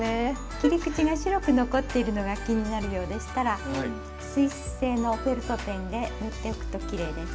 切り口が白く残っているのが気になるようでしたら水性のフェルトペンで塗っておくときれいです。